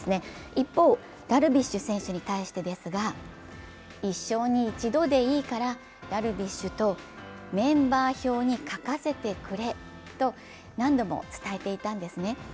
一方、ダルビッシュ選手に対してですが、一生に一度でいいからダルビッシュとメンバー表に書かせてくれと何度も伝えていたんですね。